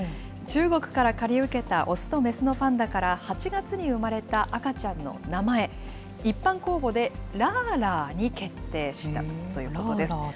中国から借り受けた雄と雌のパンダから８月に生まれた赤ちゃんの名前、一般公募でラァラァに決定したということです。